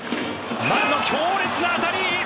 丸の強烈な当たり！